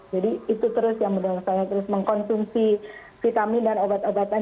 jadi itu terus yang mendengar saya terus mengkonsumsi vitamin dan obat obatan